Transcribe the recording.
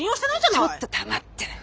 ちょっと黙って。